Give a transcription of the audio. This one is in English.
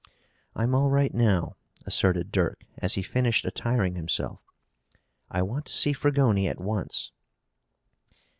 "I'm all right now," asserted Dirk, as he finished attiring himself. "I want to see Fragoni at once."